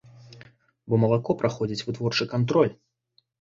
Бо малако праходзіць вытворчы кантроль.